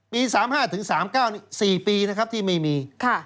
ปี๓๕๓๙สี่ปีที่ไม่มี